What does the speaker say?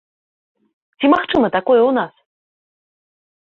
Ці магчыма такое ў нас?